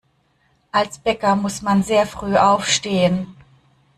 Als Bäcker muss man sehr früh aufstehen.